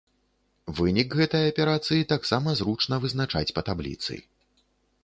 Вынік гэтай аперацыі таксама зручна вызначаць па табліцы.